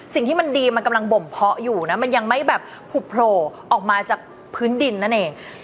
สิ่งที่มันดีมันกำลังบ่มเพาะอยู่นะมันยังไม่แบบผุโผล่ออกมาจากพื้นดินนั่นเอง